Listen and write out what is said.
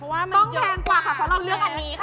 ว่าต้องแพงกว่าค่ะเพราะเราเลือกอันนี้ค่ะ